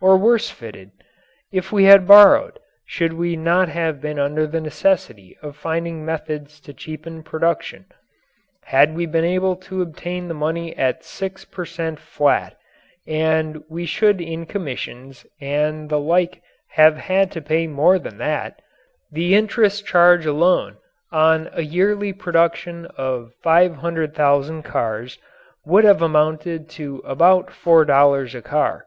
Or worse fitted? If we had borrowed we should not have been under the necessity of finding methods to cheapen production. Had we been able to obtain the money at 6 per cent. flat and we should in commissions and the like have had to pay more than that the interest charge alone on a yearly production of 500,000 cars would have amounted to about four dollars a car.